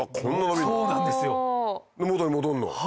で元に戻るの？